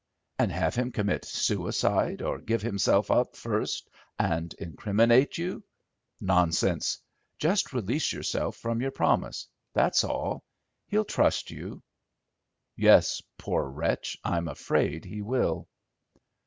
"And have him commit suicide or give himself up first and incriminate you? Nonsense. Just release yourself from your promise. That's all. He'll trust you." "Yes, poor wretch, I'm afraid he will."